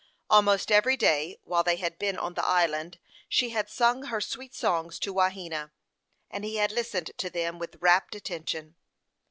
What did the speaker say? Almost every day while they had been on the island, she had sung her sweet songs to Wahena, and he had listened to them with rapt attention.